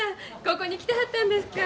ここに来てはったんですか。